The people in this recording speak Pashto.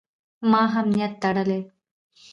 ما هم نیت تړلی.